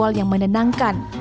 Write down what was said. brahmine yang menenangkan